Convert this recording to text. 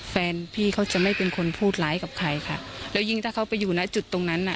แฟนพี่เขาจะไม่เป็นคนพูดร้ายกับใครค่ะแล้วยิ่งถ้าเขาไปอยู่นะจุดตรงนั้นน่ะ